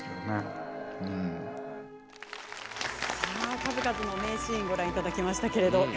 さあ数々の名シーンご覧いただきましたけれど。